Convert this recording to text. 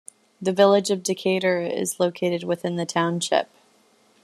The village of Decatur is located within the township.